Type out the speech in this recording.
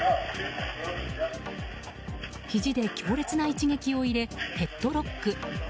ひじで強烈な一撃を入れヘッドロック。